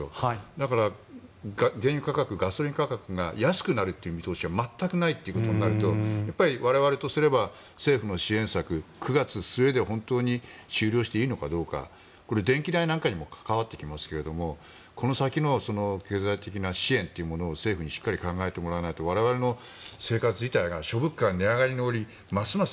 だから、原油価格ガソリン価格が安くなるという見通しが全くないということになると我々とすれば政府の支援策、９月末で本当に終了していいのかどうかこれ、電気代なんかにも関わってきますけどもこの先の経済的な支援を政府にしっかり考えてもらわないと我々の生活自体が諸物価の値上がりによりますます